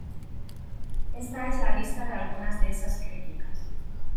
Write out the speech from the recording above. Esta es la lista de algunas de esas críticas.